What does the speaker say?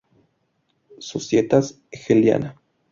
Societas hegeliana".